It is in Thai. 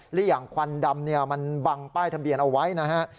และอย่างควันดำมันบังป้ายทะเบียนเอาไว้นะฮะ